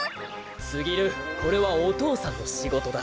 すぎるこれはお父さんのしごとだ。